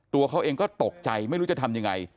ตัวเขาเองก็ตกใจไม่รู้จะทำยังไง